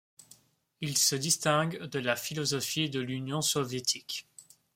Il se distingue de la philosophie de l'Union soviétique.